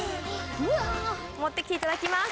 持ってきていただきます。